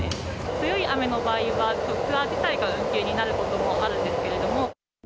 強い雨の場合は、ツアー自体が運休になることもあるんですけれども。